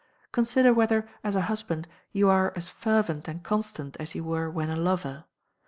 Consider whether, as a husband, you are as fervent and constant as you were when a lover.